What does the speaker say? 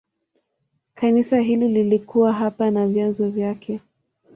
Kanisa hili lilikuwa hapa na vyanzo vyake.